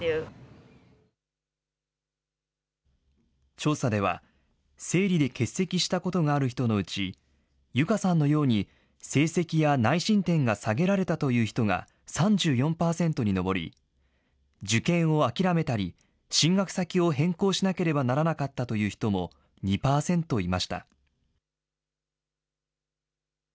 調査では、生理で欠席したことがある人のうち、ユカさんのように成績や内申点が下げられたという人が３４％に上り、受験を諦めたり、進学先を変更しなければならなかったという人も２％いました。